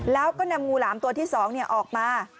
แล้วก็นำงูหลามตัวที่๒ออกมา